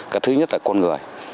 cái thứ nhất là con người